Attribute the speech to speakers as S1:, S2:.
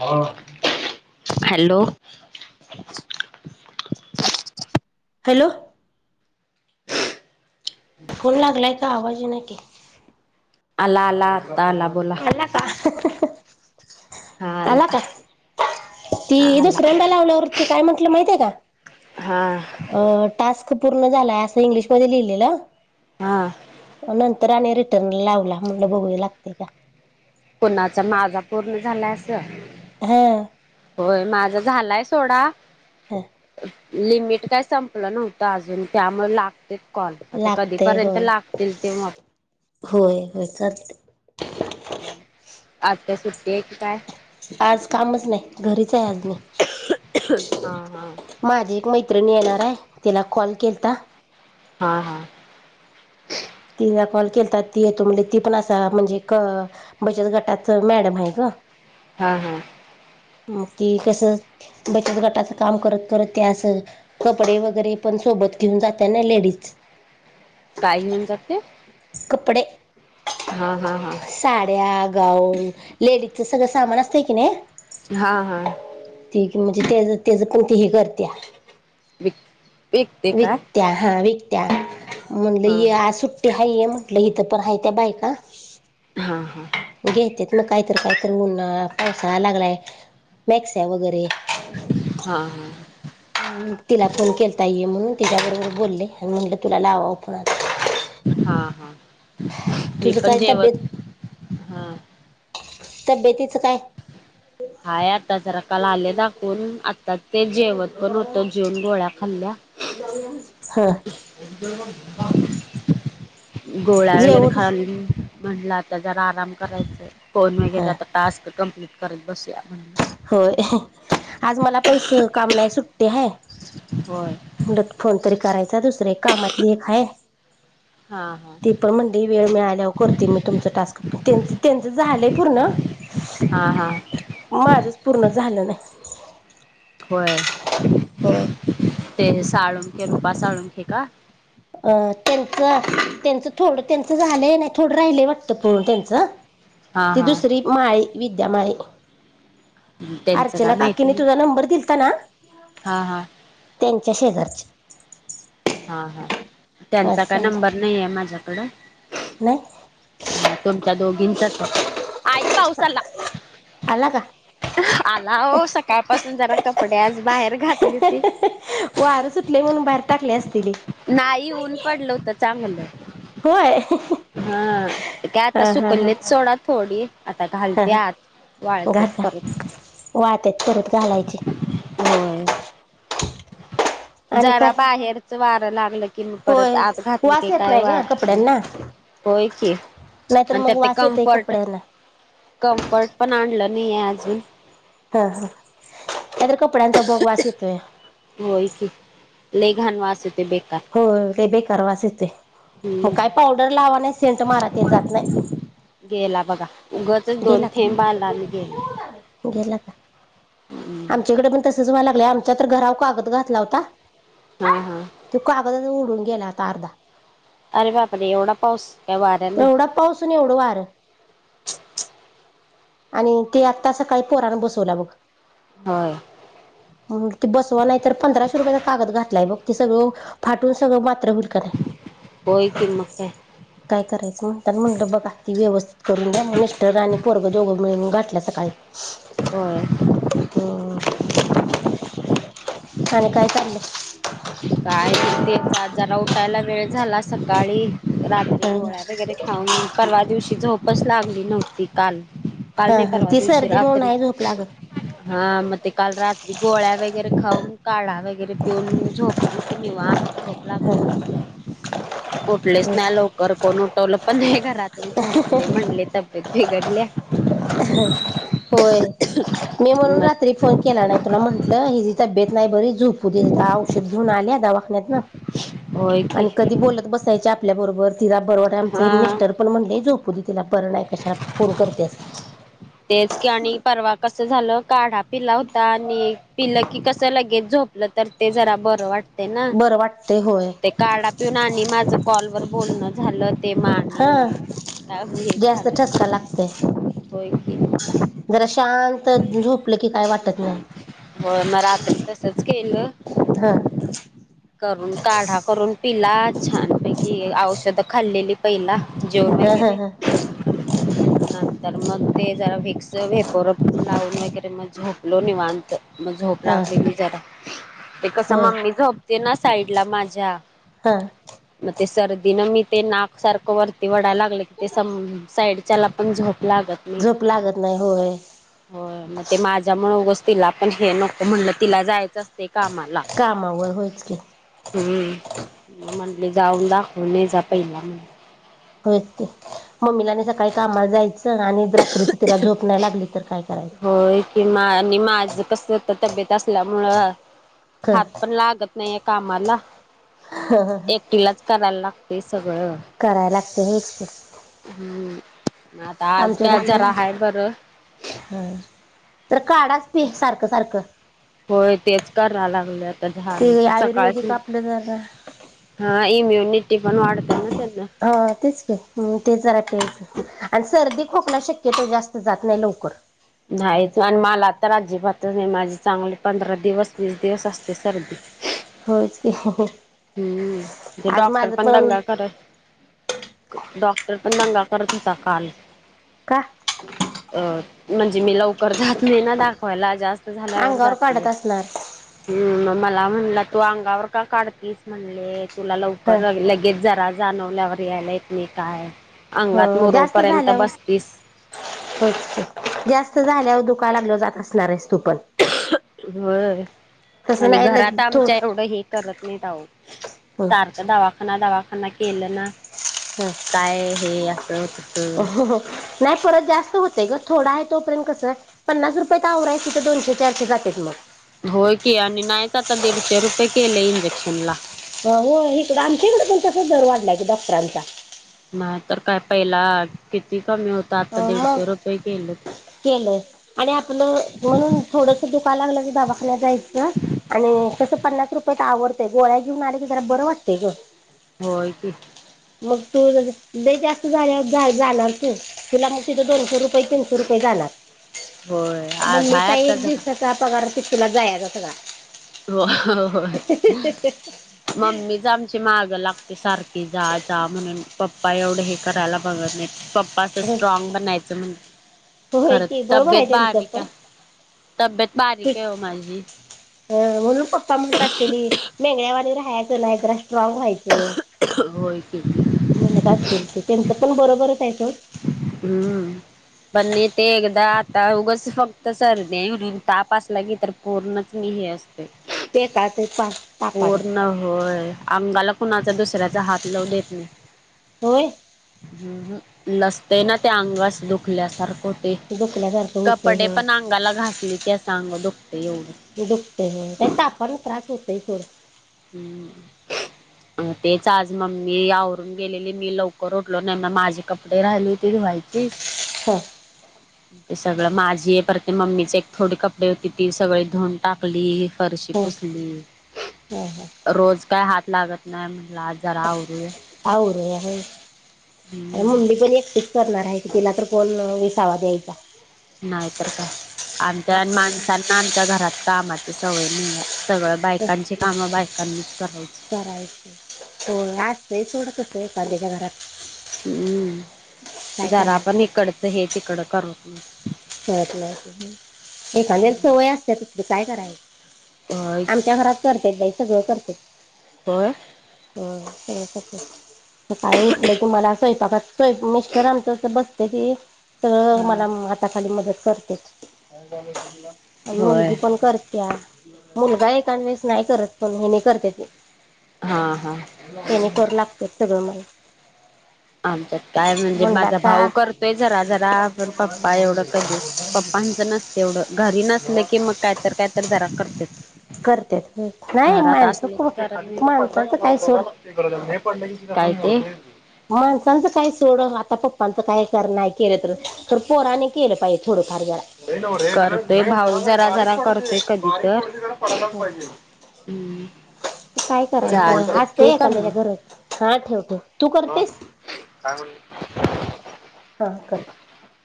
S1: हा hello. [unintelligible]
S2: Hello. Phone लागलाय का आवाजी येईना की
S1: आला आला आता आला बोला
S2: आला का
S1: हा आला
S2: ती
S1: आला
S2: दुसऱ्यांदा लावल्यावरती काय म्हंटल माहिते का
S1: हा
S2: अ टास्क पूर्ण झालाय असं इंग्लिशमध्येध्ये लिहिलेलं
S1: हा
S2: नंत तर रिटर्न लावला म्हणल बघू लागते का?
S1: कोणाचा माझा पूर्ण झालाय अस
S2: हा
S1: होय माझा झालायच थोडा
S2: हम
S1: लिमिट काय संपलं नव्हतं अजून त्यामुळे लागते कॉल आता
S2: लागतय
S1: कधीपर्यंत
S2: होय
S1: लागतील ते म...
S2: होय..
S1: हे क काय....
S2: आज कामच नाही घरीच आहे आज मी....
S1: हा हा
S2: माझी एक मैत्रिणी येणार आहे त्यािला कॉल केलता...
S1: हा हा...
S2: तिला कॉल केता ती येतो म्हटल्यां पण ती आता म्हणजे बचत गटा च मॅडम आहे ग...
S1: हा हा...
S2: मग ती कस बचत गटाच काम करत करत ते अस कपडे वगैरे पण... सोबत घेऊन जात्या ना लेडीज...
S1: [unintelligible] काय घेऊन जाते
S2: कपडे...
S1: हा हा हा...
S2: गा लेडीजच सगळ सामान असतय की नाही.
S1: हा हा
S2: म्हणजे त्या त्याच कोणतीही करते.
S1: विक विकते काय
S2: विकत्या हा विकत्या
S1: हा
S2: म्हणटलं आ सुट्टी हाय म्हटलं. तोवर हाय त्या बायका
S1: हा हा.
S2: घेत्यात मग काहीतरी काहीतरी उन्हा पावसा लागलाय मॅक्स वगैरे..
S1: हा हा...
S2: तिला फोन केलता येई म्हणून तिच्याबरोबर बोलले आणि म्हटलं तुला लावावं फोन आता...
S1: हा हा मी
S2: तुझं
S1: पण
S2: काय
S1: जेवत
S2: तब्येत
S1: हा...
S2: तब्येतीत.
S1: हाय आता जरा काल आले दाखवून आता.. ते जेवत पण होतो जेवन गोळ्या खाल्ल्या..
S2: [unintelligible]
S1: [unintelligible] गोळ्या वगैरे
S2: जेवण
S1: खाल्ली म्हणला आता जरा आराम करायच फोन वगैरे
S2: ह
S1: आता टास्क कंप्लीट.. करत बसू या म्हणलं..
S2: होय आज मला पण स काम नाही सुट्टी आहे..
S1: होय
S2: म्हटत फोन तरी करायचा दुसरे कामातली एक हाय..
S1: हा... हा
S2: ती पण म्हणते वेळ मिळाल्या करते मी तुमच टास्क त्यांच त्यांचं झालंय पूर्ण...
S1: हा हा...
S2: माझच पूर्ण झालं नाही..
S1: होय
S2: होय
S1: ते साळुंखे रुपा साळुंखे का...
S2: अं त्यांच त्यांचं थोडं त्यांच झालंय नाही थोडं राहिलंय वाटतं पण त्यांचं...
S1: हा
S2: ती
S1: हा
S2: दुसरी माय विद्या माय...
S1: त्यांचं काय
S2: अर्चना
S1: माहिती
S2: काकीने
S1: नाही
S2: तुझा नंबर दिलता ना..
S1: हा हा
S2: त्यांच्या शेजारचे
S1: हा हा त्यांचा काय
S2: असं
S1: नंबर
S2: झालं
S1: नाही आहे माझ्याकड...
S2: नाही...
S1: ह तुमच्या दोघींचच आहे आई पावसाला..
S2: आला का?
S1: आला हो सकाळपासून जरा कपडे आज बाहेर घातली ती...
S2: वार सुटले म्हणून बाहेर टाकले असतील..
S1: नाही ऊन पडलं होत चांगलं...
S2: होय.
S1: हा काय आता
S2: हा हा हा
S1: सुकललेच सोडा थोडी आता
S2: हा
S1: घालते आत वाळतेच परत
S2: वाळतात
S1: होय
S2: आणि
S1: जरा
S2: काय
S1: बाहेरच वार लागलं की कि म परत
S2: होय
S1: आत घातली का
S2: वास येत
S1: काय
S2: नाही ग
S1: वाट नाही
S2: कपड्यांना
S1: होय की
S2: नाहीतर
S1: आणि त्या
S2: मग
S1: ते
S2: वास येतय
S1: कम्फर्ट
S2: कपड्यांना
S1: कम्फर्ट पण आणलं नाही आहे अजून
S2: हा हा. त्या तरी कपड्यांचा बघ वास येतोय.
S1: होय की लय घाण वास बेकार
S2: हो ते लय बेकार वास येते मग
S1: हम्म.
S2: काय पावडर लावा नाही सेंट मारा ते जात नाही
S1: गेला बघा उगचच दोन
S2: गेला का
S1: थेंब आला आणि गेला
S2: गेला का आमच्याकडे पण तसच व्हायला लाग आमच्या तर घरा का कागद घातला होता..
S1: हम्म हम..
S2: तू कागदालत उडून गेला आता अर्धा...
S1: अरे बाप र एवढा पाऊस.. काय वाऱ्यानं
S2: एवढा पाऊस नाही एवढं वार... आणि ते आत्ता सकाळी पोरान बसवलं बघ...
S1: होय
S2: म ते बसवा नाही तर पंधराशे रुपयाचा कागद घात... ग ते सगळं फाटून सगळं म
S1: होय किं मग काय
S2: काय करायचं म्हणतं म्हटलं बघा ती व्यवस्थित करून जा मिस्टर आणि पोरगं दोघं मिळून घातल्या सकाळी
S1: होय.
S2: हम्म. आणि काय चाललं
S1: काय नाही तेचा आज जरा उठायला वेळ झाला सकाळी रात्री गोळ्या वगैरे खाऊन परवा दिवशी झोपच लागली नव्हती काल
S2: हा
S1: कालने
S2: हा
S1: परवा
S2: ती
S1: दिवशी
S2: सर्दी म्हणून
S1: रात्री
S2: नाही झोप लागत.
S1: हा मग ते काल रात्री गोळ्या वगैरे खाऊन काढा वगैरे पिऊन झोपली होती निवात झोप लागली उठलेच ना लवकर कोण उठवलं पण हे घरातले झोप ते म्हणले तब्येत बिघडले
S2: होय मी म्हणून रात्री
S1: मग
S2: फोन केला नाही तुला म्हणट हिची तब्येत नाही बरी झोपू दे औषध घेऊन आली दवाखान्यात
S1: होय की
S2: आणि कधी बोलत बसायचे आपल्याबरोबर तिला बरवाट आमचं हे
S1: हा
S2: मिस्टर पण म्हणलं झोप तिला बरं नाही कशाला फोन करतेस
S1: कस झालं काढा पिला होता आणि पिलं की कसं लगेच झोप तर ते जरा बरं वाटतं
S2: बरं वाटं
S1: ते काढा पिऊन आणि माझं कॉलवर बोलणं झालं ते म
S2: हा
S1: आणी हे व
S2: जास्त
S1: झालंय
S2: ठसका लागतय
S1: होय कि
S2: जरा शांत झोपलं की काय वाटत नाही
S1: हो मग रात्री तसंच केेलं
S2: हा
S1: करून काढा करून पि तिला छान पैकी औषधं खाल्लेली पहिला जेवण
S2: ह ह
S1: वगैरे
S2: ह
S1: अ तर मग ते जरा विक्स वेपरत लावून वगैरे मग झोपलो निवात मग झोप
S2: हा
S1: लागली मी जरा ते कसं
S2: होय
S1: मम्मी झोपते ना साईड ला माझ्या
S2: हा
S1: म ते सर न मी ते नाक सारखं वरती वडायला लागले की ते स साईडच्याला पण झोप लागत नाही
S2: झोप लागत नाही होय
S1: हो मग ते माझ तिला पण हे नको म्हणलं तिला जायचं असते. कामाला
S2: कामावर होयच की
S1: हम्म. म्हटली जाऊ दाखऊन येजा पहिला.
S2: हो ते मम्मीलाने सकाळी कामाला जायच काय करायचं
S1: होय की मा आणि माझ कस होत तब्येत असल्यामुळं
S2: क
S1: हात पण लागत नाही आहे कामाला. एकटीलाच करायला लागते सगळं
S2: तेच ते.
S1: हम्म आता आज
S2: आमच्याने
S1: प्याज जरा
S2: पण
S1: आहे बरं.
S2: तर काढाच पि सारखं सारखं
S1: होय तेच करा लागले आता
S2: ते
S1: [unintelligible] सकाळच
S2: आयुर्वेदिक आपलं जरा
S1: हा इम्युनिटी पण वाढते ना त्यांना.
S2: हा तेच तेच जरा खायच आणि सर्दी खोकला शक्यतो जास्त जात नाही लवकर
S1: नाहीच आणि मला तर अजिबातच नाही माझी चांगली पंधरा दिवस वीस दिवस असते सर्दी
S2: होच कि
S1: हम्म ते डॉक्टर पण दंगा करत पण दंगा कर दिता काल
S2: का.
S1: अ म्हणजे मी लवकर जात नाही ना दाखवायला जास्त झाल्यावर
S2: अंगावर
S1: जातोय
S2: काढत असणार
S1: म मला म्हणला तू अंगावर का काढतीस म्हणले तुला
S2: ह
S1: लवकर लगेच जरा जाणवल्यावर येत नाही काय.
S2: हो
S1: अंगात
S2: जास्त
S1: मुरूपर्यंत
S2: झाल्यावर [inaudible]
S1: बसतीस.
S2: जास्त झाल्यावर दु लाग जात असणार आहेस. तू पण
S1: होय. [inaudible]
S2: तसं
S1: आणि
S2: नाही लगे
S1: घरात आमच्या
S2: थोड
S1: एवढं हे करत नाहीत आहो
S2: ह
S1: सारखा दवाखना दवा के केलं ना काय हे असं तस
S2: ह नाही परत जास्त होतय ग थोडा आहे तोपर्यंत कसं आहे पन्नास रुपये त आवर आहे तिथं दोनशे चारशे जातात मग.
S1: म दडशे रुपय क केेले इंजेक्न ला.
S2: हो हो इकड आमच्याकडे पण तसा दर वाढलाय की डॉक्टरांचा
S1: नाही तर काय पहिला किती कमी आता दीडशे रुपये गेलेत.
S2: केलं आणि आपलं म्हणून थोडस दुख लागलं की दवाखण्यात जायचं आणि कसं पन्नास रुपया आडतेय गोळ्या घेन आले की जरा बरं वाटतय ग.
S1: होय की.
S2: मग तू जास्त झा जाणार तू तुला मग तिथं दोनशे रुप बई तीनशे रुपये जाणार
S1: होय
S2: मग
S1: आज
S2: मी
S1: हाय
S2: सांगेन
S1: आता
S2: एक
S1: जरा
S2: दिवसाचा पगार त तुला जायच स [unintelligible]
S1: होय. मम्मीच आमची माग लागते सारखी जा जा म्हणून पप्पा एवढ हे करायला बघत नाहीत. पप्पा असं
S2: सगळा
S1: स्ट्रॉग बनायचं म्हण
S2: होय
S1: खरं
S2: की बरोबर
S1: तब्येत
S2: आहे त्यांचं
S1: बारवी
S2: पण
S1: हाय तब्येत बारीक हो माझी.
S2: अ म्हणून पप्पा म्हणत असलेली मेंगळ्यावाारी राहायच नाय जरा स्ट्रॉग व्हायचं
S1: होय की
S2: म्हणत असतील ते त्यांच पण बरोबर ये. [unintelligible]
S1: हम्म. पण नाही ते एकदा आता उगच फक्त सरदी तापासलं की तर पूर्णच मी हे असते [inaudible]
S2: [inaudible] ब कात
S1: [inaudible] पूर्ण होय अंगाला कुणाचा दुसऱ्याचा हात लाव देत नाही [inaudible]
S2: हो [inaudible]
S1: [inaudible] ह लसते ना त्या अंगास दुखल्यासारखं [inaudible] ते
S2: दुखल्यासारखं होतंय
S1: कपडे
S2: हं
S1: पण अंगाला घासले की अंग द
S2: [inaudible] मी दुखते म्ह तर आपण त्रास होतोय थोडं
S1: [inaudible] हम्म तेच आज मम्मी यावरून गेलेली, मी लवकर उठलो नाही, म माझे कपडे राहिले होते. [inaudible] व्हायची.
S2: हां [inaudible]
S1: ते सगळ माझीये, परते मम्मीचे एक थोडी कपडे होती, ती सगळी धुऊून टाकली, फरशी
S2: हं
S1: पुस [unintelligible]
S2: हं हं
S1: रोज काय हात लागत नाही म्हटलं आज जरा आवरूया
S2: आवरुया बाई
S1: हम्म
S2: मुंडी पण एक करणार आहे क तिला तर कोण विसावा द्यायचा.
S1: नाही तर काय आमच्या
S2: आपण
S1: माणसांना आमच्या घरात कामाची सवय नाही आहे. सगळं बायकांची कामं बायकांनीच करायच
S2: हो आय सोडतच पा्याच्या घरात
S1: हम्म
S2: काय
S1: जरा
S2: करायचं
S1: आपण इकडच हे तिकड करत म
S2: ळ एखाद्यार
S1: नाही
S2: सवय असते त तडे काय
S1: होय
S2: करायचं आमच्या घरात करते बाई सगळं करते
S1: होय
S2: हम् सकाळी उठलं की मला स्वयंपाकातवय मिस्टर आमचं बसते कि तर
S1: हा
S2: मला आता खाली मदत करते
S1: होय
S2: मुलगी पण करत्या मुलगा ए व नाही करत पण हे नाही करते ते,
S1: हा हा
S2: यानी करू लागते सगळं मला.
S1: आमच्यात काय म्हणजे
S2: म्हणलं
S1: माझा भाऊ
S2: आता
S1: करतोय, जरा जरा पण् प पप्पा एवढं कधीच पप्पांचं नसते, एवढं घरी नसले की मग कायतरी कायतरी जरा करतेत.
S2: करत्यात होय. नाही
S1: घरात
S2: माणसं
S1: असले की
S2: खूप माणसांचं काय सोड
S1: [unintelligible] काय ते?
S2: माणसांचं काय सोड, आता पप्पांचं काय कर नाही केलं तर पोराने केलं पाहिजे थोडं.
S1: करतोय भाऊ जरा जरा करतोय, कधी तर हम्म.
S2: काय करायचं
S1: चालतंय
S2: असते
S1: ठेवू का मग?
S2: एखाद्याच्या घरात, हा ठेवतो तू
S1: मग
S2: करतेस. हा कर
S1: [unintelligible]